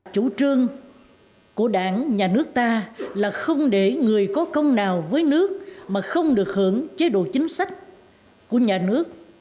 chủ trương của đảng nhà nước ta là không để người có công nào với nước mà không được hưởng chế độ chính sách của nhà nước